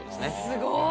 すごい。